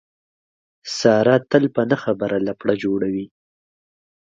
ساره تل په نه خبره لپړه جوړوي.